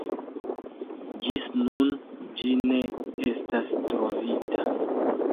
Ĝis nun ĝi ne estas trovita.